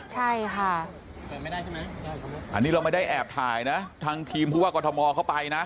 ใช่ค่ะอันนี้เราไม่ได้แอบถ่ายนะทางทีมผู้ว่ากรทมเข้าไปนะ